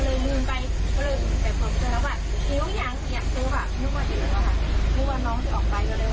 แล้วก็จบคือไว้งานก็ดึง